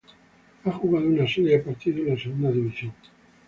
Ha jugado una serie de partidos en la Segunda División.